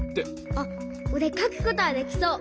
あっおれかくことはできそう！